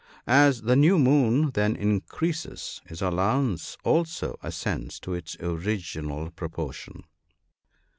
As the new moon then increases, his allowance also ascends to its original proportion.